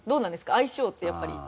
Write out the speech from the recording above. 相性ってやっぱり。